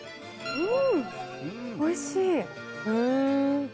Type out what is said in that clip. うんおいしい。